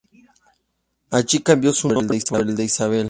Allí cambió su nombre por el de Isabel.